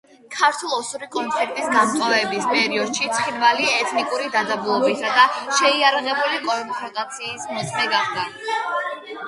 ქართულ-ოსური კონფლიქტის გამწვავების პერიოდში ცხინვალი ეთნიკური დაძაბულობისა და შეიარაღებული კონფრონტაციის მოწმე გახდა.